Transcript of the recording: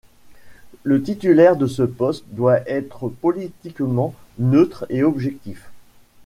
Le titulaire de ce poste doit être politiquement neutre et objectif.